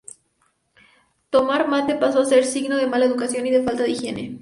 Tomar mate pasó a ser signo de mala educación y de falta de higiene.